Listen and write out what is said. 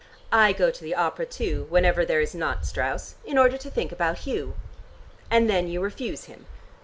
I go to the opera too, whenever there is not Strauss, in order to think about Hugh." "And then you refuse him?"